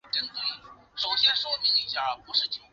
塞拉利昂总统以经修改的两轮投票制选出。